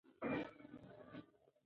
ټولنیز ژوند د یو بل سره د اړیکو نوم دی.